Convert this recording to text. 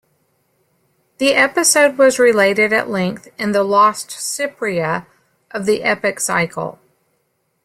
The episode was related at length in the lost "Cypria", of the Epic Cycle.